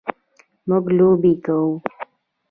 موږ لوبې کوو.